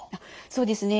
そうですね